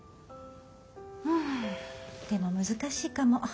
んでも難しいかも。